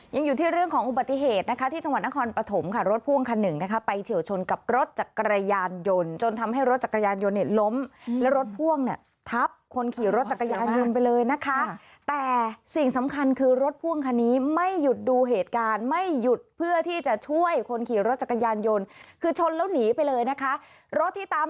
ยังอยู่ที่เรื่องของอุบัติเหตุนะคะที่จังหวัดนครปฐมค่ะรถพ่วงคันหนึ่งนะคะไปเฉียวชนกับรถจักรยานยนต์จนทำให้รถจักรยานยนต์เนี่ยล้มแล้วรถพ่วงเนี่ยทับคนขี่รถจักรยานยนต์ไปเลยนะคะแต่สิ่งสำคัญคือรถพ่วงคันนี้ไม่หยุดดูเหตุการณ์ไม่หยุดเพื่อที่จะช่วยคนขี่รถจักรยานยนต์คือชนแล้วหนีไปเลยนะคะรถที่ตาม